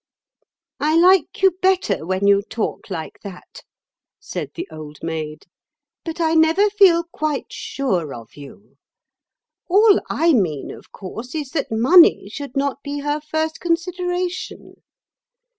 "I like you better when you talk like that," said the Old Maid; "but I never feel quite sure of you. All I mean, of course, is that money should not be her first consideration.